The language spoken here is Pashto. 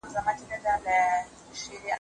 زه اوږده وخت د زده کړو تمرين کوم!!